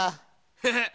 フフッ！